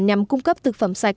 nhằm cung cấp thực phẩm sạch